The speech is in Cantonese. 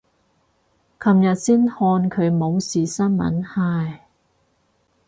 琴日先看他冇事新聞，唉。